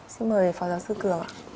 xin mời phó giáo sư cường ạ